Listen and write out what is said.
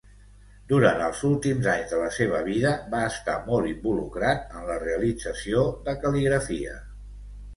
Durant els últims anys de la seva vida va estar molt involucrat en la realització de cal·ligrafia.